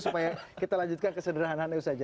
supaya kita lanjutkan kesederhanaannya saja